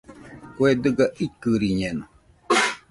Kue dɨga ikɨriñeno.